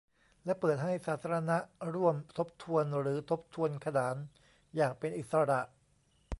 และเปิดให้สาธารณะร่วมทบทวนหรือทบทวนขนานอย่างเป็นอิสระ